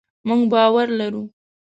مونږ باور لرو